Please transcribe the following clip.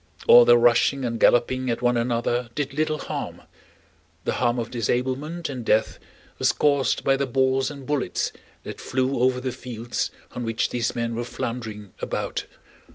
All their rushing and galloping at one another did little harm, the harm of disablement and death was caused by the balls and bullets that flew over the fields on which these men were floundering about.